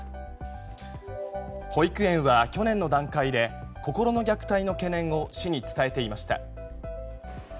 保育園は去年の段階で心の虐待の懸念を市に伝えていました。